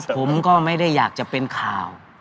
ผมก็ไม่ได้อยากจะเป็นข่าว